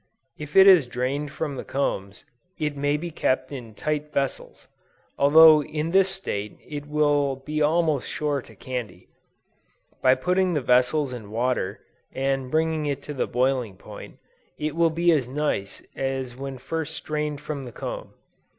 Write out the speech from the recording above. If it is drained from the combs, it may be kept in tight vessels, although in this state it will be almost sure to candy. By putting the vessels in water, and bringing it to the boiling point, it will be as nice as when first strained from the comb.